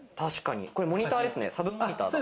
これモニターですね。